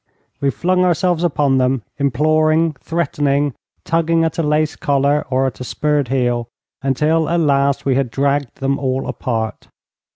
We flung ourselves upon them, imploring, threatening, tugging at a lace collar, or at a spurred heel, until, at last, we had dragged them all apart.